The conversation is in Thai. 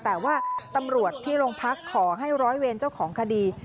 แต่ว่าตำรวจที่โรงพักขอให้ร้อยเวรเจ้าของคดี